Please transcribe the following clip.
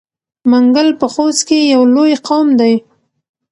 منګل په خوست کې یو لوی قوم دی.